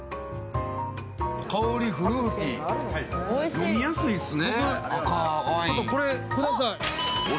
香り、フルーティー、飲みやすいっすね。